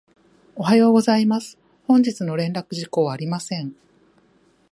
おはようございます。本日の連絡事項はありません。